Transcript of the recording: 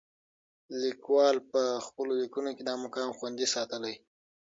لیکوال په خپلو لیکنو کې دا مقام خوندي ساتلی.